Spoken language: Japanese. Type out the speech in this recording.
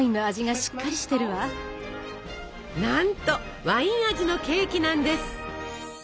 なんとワイン味のケーキなんです。